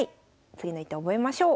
次の一手覚えましょう。